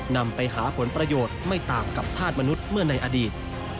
นำไปหาผลประโยชน์ไม่ต่างกับธาตุมนุษย์เมื่อในอดีต